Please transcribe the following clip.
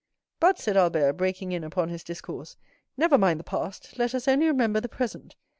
"But," said Albert, breaking in upon his discourse, "never mind the past; let us only remember the present.